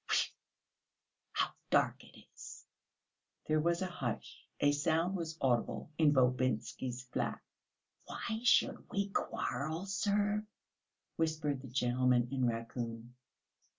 "Tfoo, how dark it is!" There was a hush; a sound was audible in Bobynitsyn's flat. "Why should we quarrel, sir?" whispered the gentleman in raccoon.